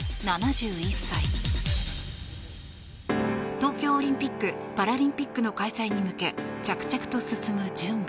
東京オリンピック・パラリンピックの開催に向け着々と進む準備。